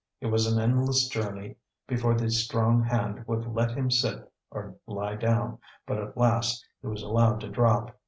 It was an endless journey before the strong hand would let him sit or lie down, but at last he was allowed to drop.